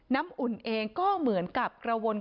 น้ำอุ่นเองก็เหมือนกับกระวนก